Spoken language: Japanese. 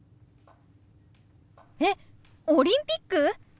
えっオリンピック？